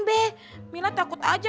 be mila takut aja